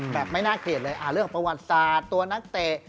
ไม่น่าเกลียดเลยเรื่องประวัติศาสตร์ตัวนักเตะ